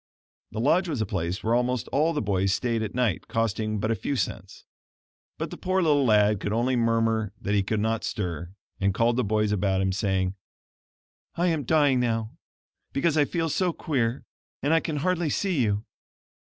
(The lodge was a place where almost all the boys stayed at night, costing but a few cents.) But the poor little lad could only murmur that he could not stir, and called the boys about him, saying: "I am dying now, because I feel so queer: and I can hardly see you.